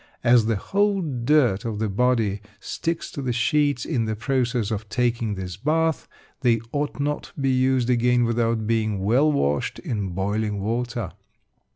As the whole dirt of the body sticks to the sheets in the process of taking this bath, they ought not to be used again without being well washed in boiling water.